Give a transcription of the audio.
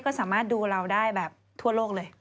ก็สามารถดูเราได้แบบทั่วโลกเลย